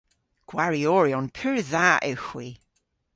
Gwarioryon pur dha ewgh hwi.